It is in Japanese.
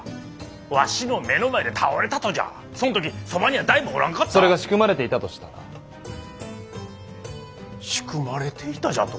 わしの目の前で倒れたとじゃそん時そばには誰もおらんかった！それが仕組まれていたとしたら？仕組まれていたじゃと？